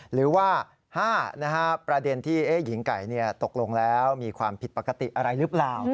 หรือว่า๕ประเด็นที่หญิงไก่ตกลงแล้วมีความผิดปกติอะไรหรือเปล่า